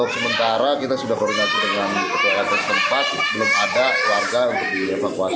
sementara kita sudah koordinasi dengan tempat belum ada warga untuk dievakuasi